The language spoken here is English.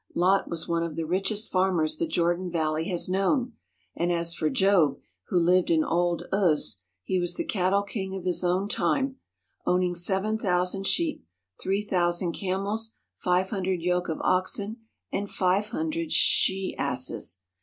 Lot was one of the richest farmers the Jordan Valley has known, and as for Job, who lived in old Uz, he was the cattle king of his time, owning seven thousand sheep, three thousand camels, five hundred yoke of oxen, and five hundred she 159 THE HOLY LAND AND SYRIA asses.